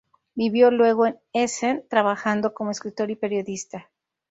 Vivió luego en Essen, trabajando como escritor y periodista.